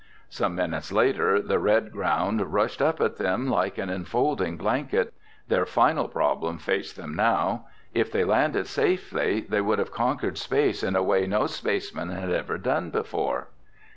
Some minutes later, the red ground rushed up at them like an enfolding blanket. Their final problem faced them now. If they landed safely, they would have conquered space in a way no spaceman had ever done before.